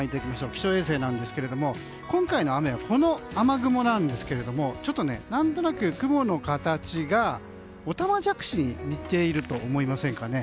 気象衛星なんですが今回の雨は、この雨雲なんですがちょっと何となく雲の形がオタマジャクシに似ていると思いませんかね。